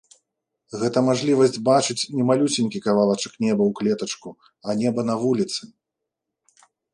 Гэта мажлівасць бачыць не малюсенькі кавалачак неба ў клетачку, а неба на вуліцы.